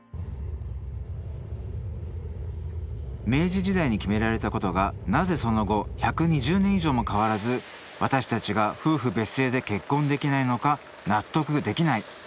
明治時代に決められたことがなぜその後１２０年以上も変わらず私たちが夫婦別姓で結婚できないのか納得できない！